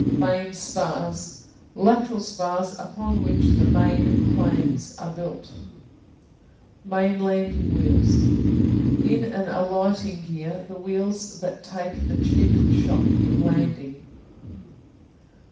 Main Spars Lateral spars upon which the main planes are built. Main Landing Wheels In an alighting gear, the wheels that take the chief shock in landing.